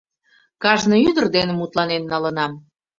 — Кажне ӱдыр дене мутланен налынам.